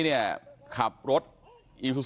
ตำรวจต้องไล่ตามกว่าจะรองรับเหตุได้